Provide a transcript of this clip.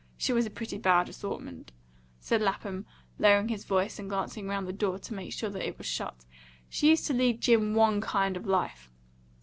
She was a pretty bad assortment," said Lapham, lowering his voice and glancing round at the door to make sure that it was shut, "and she used to lead Jim ONE kind of life.